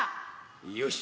よし。